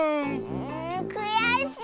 んくやしい！